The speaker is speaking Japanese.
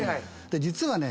実はね